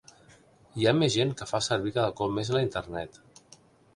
Hi ha més gent que fa servir cada cop més la internet.